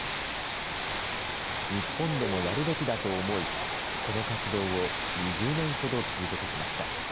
日本でもやるべきだと思い、この活動を２０年ほど続けてきました。